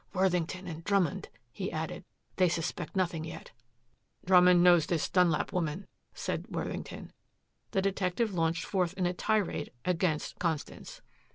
"Worthington and Drummond," he added. "They suspect nothing yet." "Drummond knows this Dunlap woman," said Worthington. The detective launched forth in a tirade against Constance.